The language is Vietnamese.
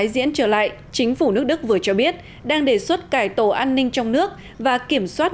diễn trở lại chính phủ nước đức vừa cho biết đang đề xuất cải tổ an ninh trong nước và kiểm soát